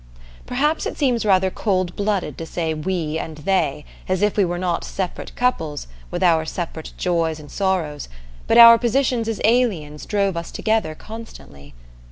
Perhaps it seems rather cold blooded to say "we" and "they," as if we were not separate couples, with our separate joys and sorrows, but our positions as aliens drove us together constantly.